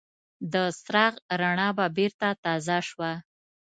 د څراغ رڼا به بېرته تازه شوه.